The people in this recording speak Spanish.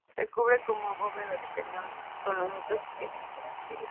Se cubre con bóveda de cañón con lunetos y yeserías.